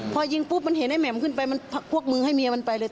พอยิงปุ๊บมันเห็นไอ้แหม่มขึ้นไปมันพวกมึงให้เมียมันไปเลย